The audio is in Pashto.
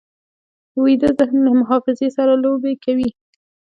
ویده ذهن له حافظې سره لوبې کوي